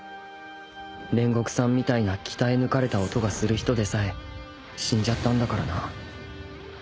煉獄さんみたいな鍛え抜かれた音がする人でさえ死んじゃったんだからな